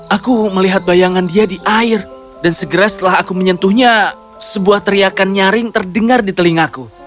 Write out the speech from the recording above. aku melihat bayangan dia di air dan segera setelah aku menyentuhnya sebuah teriakan nyaring terdengar di telingaku